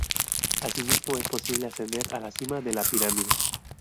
Asimismo es posible ascender a la cima de la pirámide.